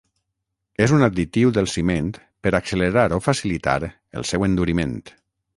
És un additiu del ciment per accelerar o facilitar el seu enduriment.